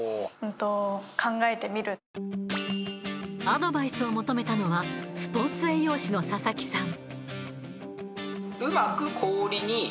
アドバイスを求めたのはスポーツ栄養士の佐々木さん。